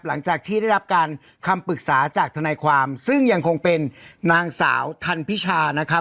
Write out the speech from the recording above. หลังจากที่ได้รับการคำปรึกษาจากทนายความซึ่งยังคงเป็นนางสาวทันพิชานะครับ